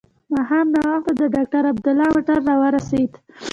ماښام ناوخته د ډاکټر عبدالله موټر راورسېد.